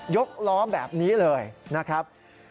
กล้อแบบนี้เลยนะครับ